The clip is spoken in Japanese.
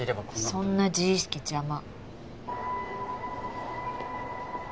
そんな自意識邪魔！